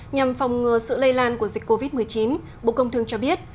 nhằm phòng ngừa sự lây lan của dịch covid một mươi chín bộ công thương cho biết